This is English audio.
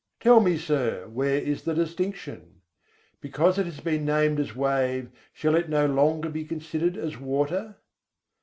Tell me, Sir, where is the distinction? Because it has been named as wave, shall it no longer be considered as water?